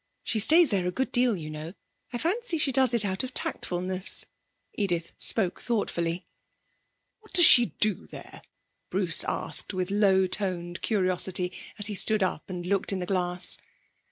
She stays there a good deal, you know. I fancy she does it out of tactfulness.' Edith spoke thoughtfully. 'What does she do there?' Bruce asked with low toned curiosity, as he stood up and looked in the glass.